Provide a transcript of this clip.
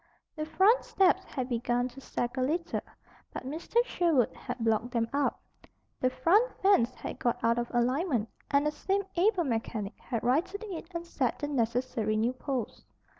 The front steps had begun to sag a little; but Mr. Sherwood had blocked them up. The front fence had got out of alignment, and the same able mechanic had righted it and set the necessary new posts.